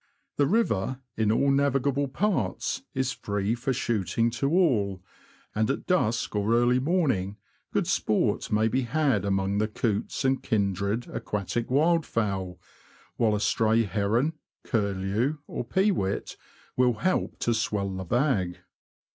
The river, in all navigable parts, is free for shooting to all, and at dusk or early morning good sport may be had among the coots and kindred aquatic wildfowl ; while a stray heron, curlew, or pewit, will help to swell the bag.